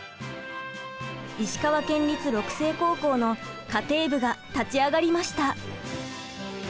石川県立鹿西高校の家庭部が立ち上がりました。